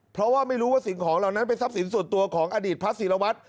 เพราะว่าไม่รู้ว่าสิ่งของเหล่านั้นเป็นทรัพย์สินส่วนตัวของอดีตพระศิลวัตร